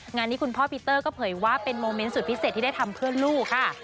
งานนี้คุณพ่อปีเตอร์ก็เผยว่าเป็นโมเมนต์สุดพิเศษที่ได้ทำเพื่อนลูกค่ะ